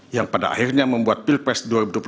yang pada akhirnya membuat pilpres dua ribu dua puluh empat